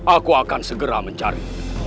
aku akan segera mencari